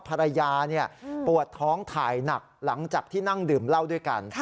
ภรรยาปวดท้องถ่ายหนักหลังจากที่นั่งดื่มเหล้าด้วยกัน